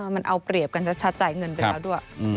มันเอาเปรียบกันชัดจ่ายเงินไปแล้วด้วย